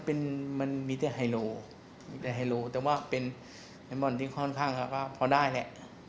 มันเป็นเหมือนมีแทลไฮโลมีแทลไฮโลแต่ว่าเป็นบ่อนที่ค่อนข้างพอได้ละ